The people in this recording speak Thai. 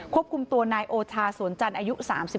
ควบคุมตัวนายโอชาสวนจันทร์อายุ๓๒